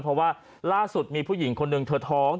เพราะว่าล่าสุดมีผู้หญิงคนหนึ่งเธอท้อง